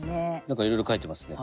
何かいろいろ書いてますね。